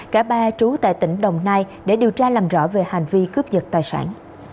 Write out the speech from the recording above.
cả ba trú tại tỉnh đồng nai để điều tra làm rõ về hành vi cướp giật tài sản